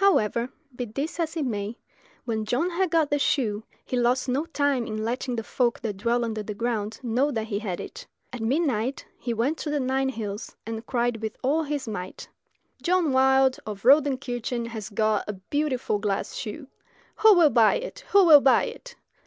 However, be this as it may, when John had got the shoe he lost no time in letting the folk that dwell under the ground know that he had it. At midnight he went to the Nine hills, and cried with all his might "John Wilde of Rodenkirchen has got a beautiful glass shoe. Who will buy it? who will buy it?"